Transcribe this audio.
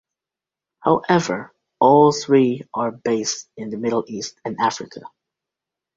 However, all three are based in the Middle East and Africa.